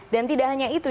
dan tidak hanya itu